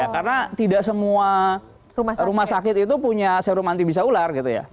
karena tidak semua rumah sakit itu punya serum anti bisa ular gitu ya